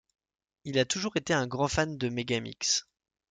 Il a toujours été un grand fan de mégamix.